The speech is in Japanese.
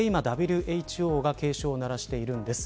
ＷＨＯが警鐘を鳴らしているんです。